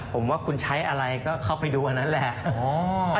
ผมว่าคุณใช้อะไรก็เข้าไปดูอันนั้นแหละ